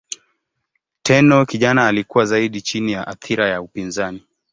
Tenno kijana alikuwa zaidi chini ya athira ya upinzani.